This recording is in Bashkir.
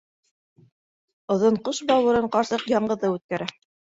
Оҙон ҡыш бауырын ҡарсыҡ яңғыҙы үткәрә.